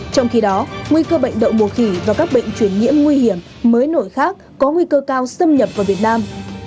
trong khi đó nguy cơ bệnh đậu mùa khỉ và các bệnh chuyển nhiễm nguy hiểm mới nổi khác có nguy cơ cao xâm nhập vào việt nam